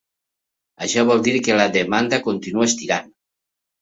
Això vol dir que la demanda continua estirant.